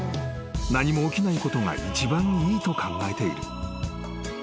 ［何も起きないことが一番いいと考えている］